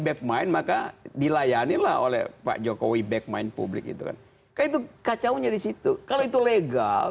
backmind maka dilayani oleh pak jokowi backmind publik itu kan itu kacau jadi situ kalau itu legal